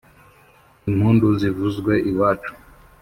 impundu zivuzwe iwacu